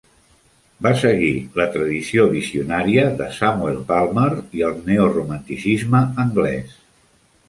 Va seguir la tradició visionària de Samuel Palmer i el neoromanticisme anglès.